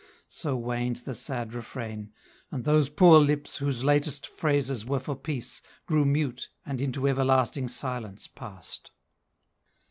So waned the sad refrain. And those poor lips, Whose latest phrases were for peace, grew mute, And into everlasting silence passed.